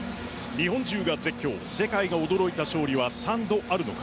日本中が絶叫世界が驚いた勝利は３度あるのか。